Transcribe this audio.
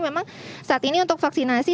memang saat ini untuk vaksinasi